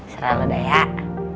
serah lu dayak